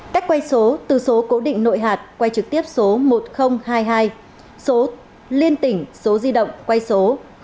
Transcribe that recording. cách quay số từ số cố định nội hạt quay trực tiếp số một nghìn hai mươi hai số liên tỉnh số di động quay số hai trăm bốn mươi một nghìn hai mươi hai